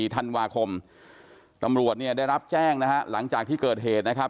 ธันวาคมตำรวจเนี่ยได้รับแจ้งนะฮะหลังจากที่เกิดเหตุนะครับ